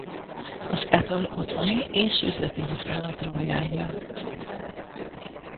Az Apple otthoni és üzleti használatra ajánlja.